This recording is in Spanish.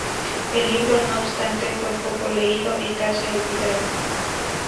El libro, no obstante, fue poco leído y casi olvidado.